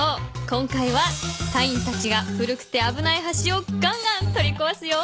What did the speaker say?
今回はタインたちが古くてあぶない橋をガンガンとりこわすよ。